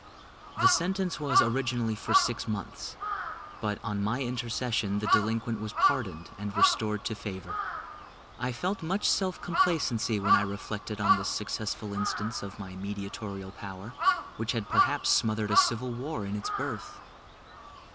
The sentence was originally for six months; but on my intercession the delinquent was pardoned and restored to favour. I felt much self complacency when I reflected on this successful instance of my mediatorial power, which had perhaps smothered a civil war in its birth.